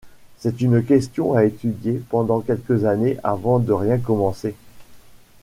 C’est une question à étudier pendant quelques années avant de rien commencer.